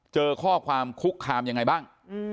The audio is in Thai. เจอข้อความคุกคามยังไงบ้าง